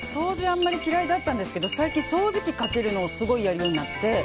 あんまり嫌いだったんですけど最近、掃除機かけるのをすごいやるようになって。